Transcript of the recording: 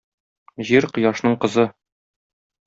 Җир - Кояшның кызы.